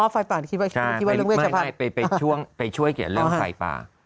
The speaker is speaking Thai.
อ๋อไฟป่านไปช่วยเรื่องไฟป่า